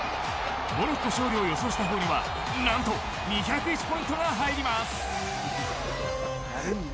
モロッコ勝利を予想したほうには何と２０１ポイントが入ります。